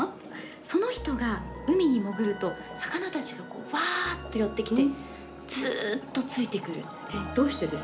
その人が海に潜ると魚たちがわっと寄ってきてずっとついてくるんです。